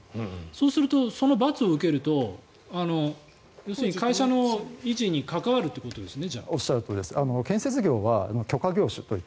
そうするとその罰を受けると要するに会社の維持に関わるということですね。